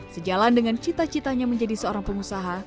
sejalan dengan cita citanya menjadi seorang pengusaha